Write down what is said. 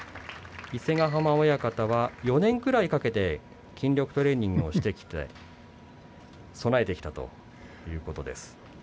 伊勢ヶ濱親方は４年くらいかけて筋力トレーニングをして備えてきたそうです。